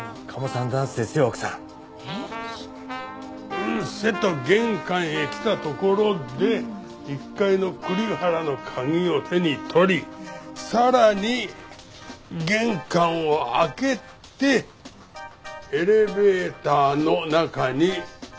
うんせと玄関へ来たところで１階のくりはらの鍵を手に取りさらに玄関を開けてエレベーターの中に入れた。